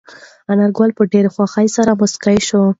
انارګل په ډېرې خوښۍ سره موسکی شو.